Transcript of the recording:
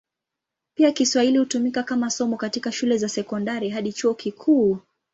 Pia Kiswahili hutumika kama somo katika shule za sekondari hadi chuo kikuu.